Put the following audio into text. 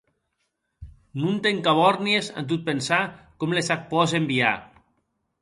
Non t'encabòrnies en tot pensar com les ac pòs enviar.